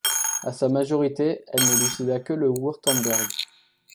À sa majorité, elle ne lui céda que le Wurtemberg.